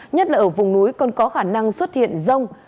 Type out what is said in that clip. nhất là ở vùng núi còn có khả năng xuất hiện rông